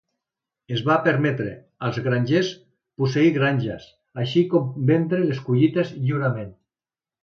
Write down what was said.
Es va permetre als grangers posseir granges, així com vendre les collites lliurement.